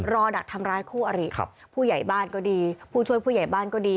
รอดักทำร้ายคู่อริผู้ใหญ่บ้านก็ดีผู้ช่วยผู้ใหญ่บ้านก็ดี